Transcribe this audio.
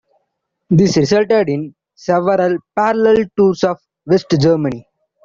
This resulted in several parallel tours of West-Germany.